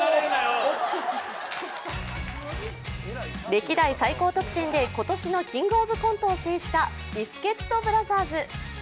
歴代最高得点で今年の「キングオブコント」を制したビスケットブラザーズ。